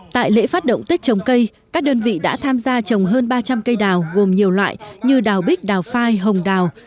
tại lễ phát động tết trồng cây các đơn vị đã tham gia trồng hơn ba trăm linh cây đào gồm nhiều loại như đào bích đào phai hồng đào